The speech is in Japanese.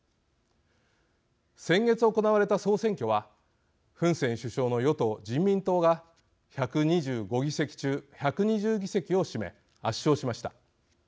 先月行われた総選挙はフン・セン首相の与党・人民党が１２５議席中１２０議席を占め圧勝しました。